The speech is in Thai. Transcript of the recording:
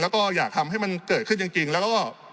แล้วก็อยากทำให้มันเกิดขึ้นจริงแล้วก็